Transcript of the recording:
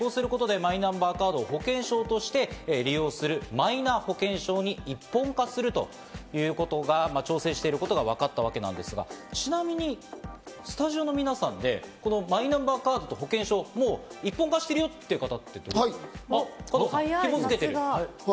こうすることでマイナンバーカードを保険証として利用するマイナ保険証に一本化するということを調整してることがわかったわけなんですが、ちなみにスタジオの皆さんでこのマイナンバーカードと保健証を一本化してるよって方？